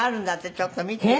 ちょっと見よう。